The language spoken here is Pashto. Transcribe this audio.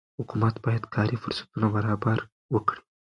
حکومت باید کاري فرصتونه برابر وکړي.